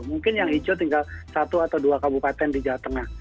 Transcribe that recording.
mungkin yang hijau tinggal satu atau dua kabupaten di jawa tengah